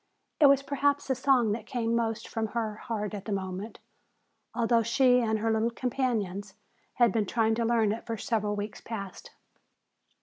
It was perhaps the song that came most from her heart at the moment, although she and her little companions had been trying to learn it for several weeks past.